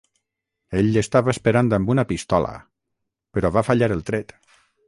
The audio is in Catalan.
Ell l'estava esperant amb una pistola, però va fallar el tret.